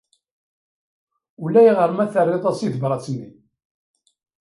Ulayɣer ma terriḍ-as i tebṛat-nni.